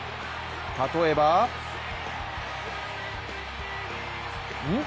例えばうん？